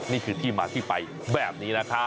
นี่คือที่มาที่ไปแบบนี้นะครับ